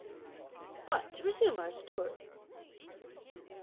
But to resume our story.